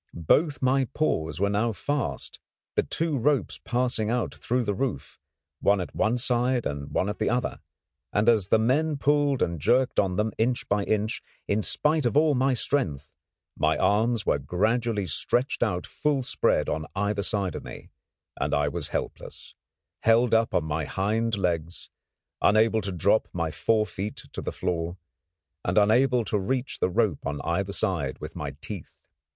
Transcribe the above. Both my paws were now fast, the two ropes passing out through the roof, one at one side and one at the other; and as the men pulled and jerked on them inch by inch, in spite of all my strength, my arms were gradually stretched out full spread on either side of me, and I was helpless, held up on my hind legs, unable to drop my fore feet to the floor, and unable to reach the rope on either side with my teeth.